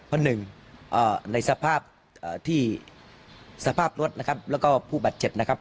เพราะหนึ่งในสภาพที่สภาพรถนะครับแล้วก็ผู้บาดเจ็บนะครับ